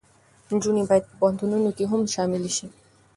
نجونې باید په پوهنتونونو کې هم شاملې شي.